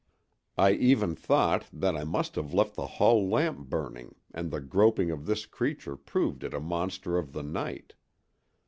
I even thought that I must have left the hall lamp burning and the groping of this creature proved it a monster of the night.